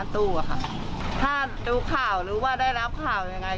ถ้าดูข่าวหรือว่าได้รับข่าวยังไง